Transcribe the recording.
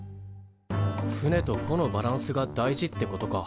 船とほのバランスが大事ってことか。